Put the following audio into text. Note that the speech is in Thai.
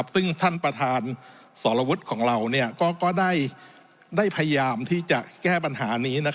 ซึ่งท่านประธานสรวุฒิของเราก็ได้พยายามที่จะแก้ปัญหานี้